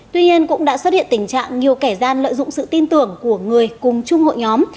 tuy nhiên cũng đã xuất hiện tình trạng nhiều kẻ gian lợi dụng sự tin tưởng của người cùng chung hội nhóm